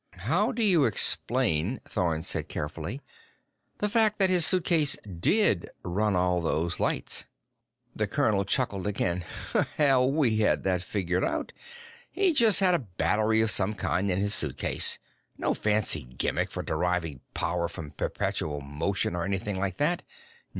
"How do you explain," Thorn said carefully, "the fact that his suitcase did run all those lights?" The colonel chuckled again. "Hell, we had that figured out. He just had a battery of some kind in the suitcase. No fancy gimmick for deriving power from perpetual motion or anything like that.